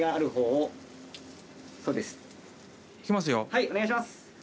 はいお願いします。